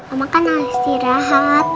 omah kan harus istirahat